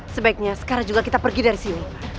sebaiknya sekarang juga kita pergi dari sini